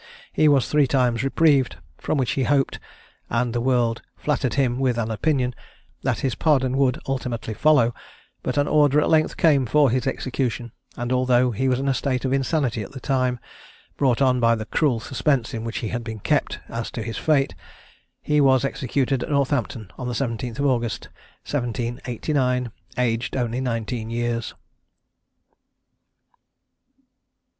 He was three times reprieved; from which he hoped, and the world flattered him with an opinion, that his pardon would ultimately follow; but an order at length came for his execution, and although he was in a state of insanity at the time, brought on by the cruel suspense in which he had been kept as to his fate, he was executed at Northampton on the 17th of August, 1789, aged only nineteen years.